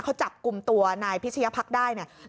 เขาจับกลุ่มตัวนายพิชยภักษ์ได้เนี่ย